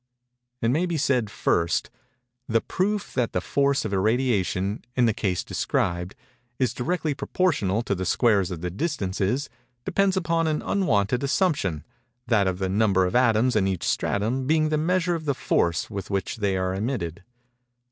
It may be said, first: "The proof that the force of irradiation (in the case described) is directly proportional to the squares of the distances, depends upon an unwarranted assumption—that of the number of atoms in each stratum being the measure of the force with which they are emitted."